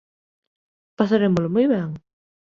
Pasarémolo moi ben.